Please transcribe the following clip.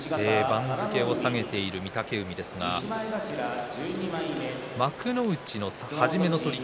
番付を下げている御嶽海ですが幕内の初めの取組